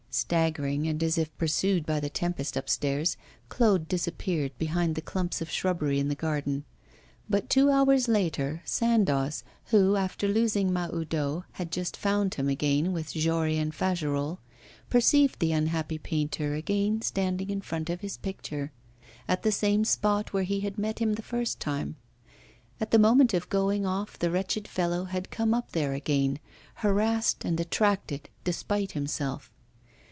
Staggering, and as if pursued by the tempest upstairs, Claude disappeared behind the clumps of shrubbery in the garden. But two hours later Sandoz, who after losing Mahoudeau had just found him again with Jory and Fagerolles, perceived the unhappy painter again standing in front of his picture, at the same spot where he had met him the first time. At the moment of going off the wretched fellow had come up there again, harassed and attracted despite himself.